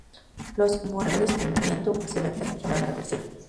Los moradores temiendo un posible ataque llamaron a la policía.